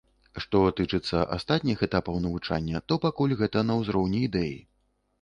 Што тычыцца астатніх этапаў навучання, то пакуль гэта на ўзроўні ідэі.